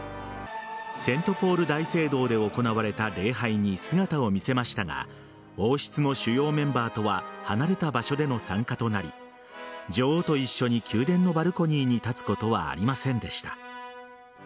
セント・ポール大聖堂で行われた礼拝に姿を見せましたが王室の主要メンバーとは離れた場所での参加となり女王と一緒に宮殿のバルコニーに立つことはありませんでした。